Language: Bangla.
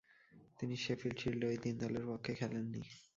তিনি শেফিল্ড শিল্ডে ঐ তিন দলের পক্ষে খেলেননি।